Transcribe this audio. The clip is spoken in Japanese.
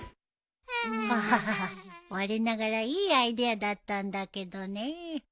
ハハハわれながらいいアイデアだったんだけどねえ。